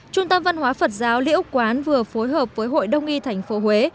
trung tâm văn hóa phật giáo lĩa úc quán vừa phối hợp với hội đông y thành phố huế